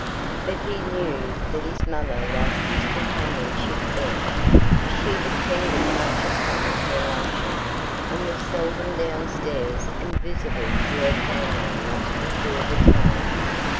But he knew that his mother liked his companionship then; she depended much upon her luncheon, and was seldom downstairs and visible to her family much before the time.